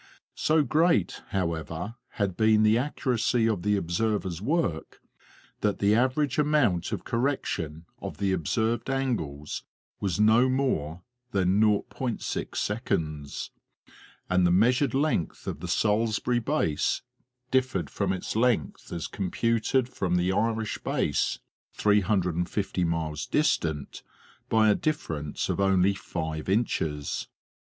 So great, however, had been the accuracy of the observers' work, that the average amount of correction of the observed angles was no more than 0.6, and the measured length of the Salisbury base differed from its length as com puted from the Irish Base, 350 miles distant, by a difference of only five inches.